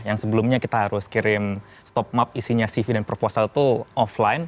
yang sebelumnya kita harus kirim stop map isinya cv dan proposal itu offline